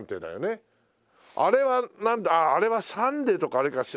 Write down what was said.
あれはあれは『サンデー』とかあれか。